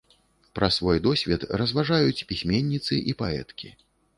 Пра свой досвед разважаюць пісьменніцы і паэткі.